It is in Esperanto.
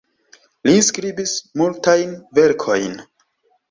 Li skribis multajn verkojn.